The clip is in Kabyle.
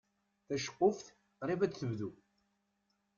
Taceqquft qrib ad tebdu.